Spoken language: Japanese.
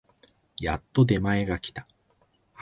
やっと出前が来た